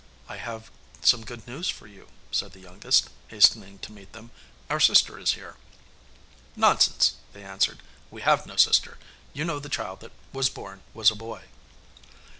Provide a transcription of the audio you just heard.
'I have some good news for you,' said the youngest, hastening to meet them; 'our sister is here!' 'Nonsense,' they answered. 'We have no sister; you know the child that was born was a boy.